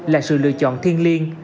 là sự lựa chọn thiên liên